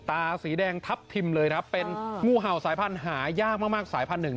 สีแดงทับทิมเลยครับเป็นงูเห่าสายพันธุ์หายากมากสายพันธุ์หนึ่ง